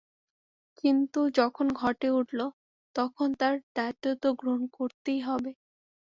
কিন্তু যখন ঘটে উঠল তখন তার দায়িত্ব তো গ্রহণ করতেই হবে।